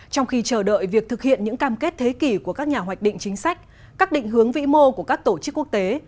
trong khi chờ đợi việc thực hiện những cam kết thế kỷ của các nhà hoạch định chính sách các định hướng vĩ mô của các tổ chức quốc tế